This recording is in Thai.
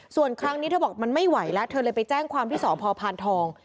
ส่วนครั้งนี้เธอบอกมันไม่ไหวแล้วเธอเลยไปแจ้งความที่สพพานทอง